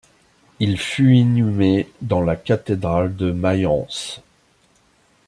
Il fut inhumé dans la cathédrale de Mayence.